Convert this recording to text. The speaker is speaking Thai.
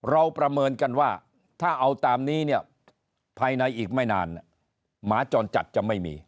ประเมินกันว่าถ้าเอาตามนี้เนี่ยภายในอีกไม่นานหมาจรจัดจะไม่มี